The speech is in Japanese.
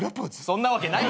そんなわけない。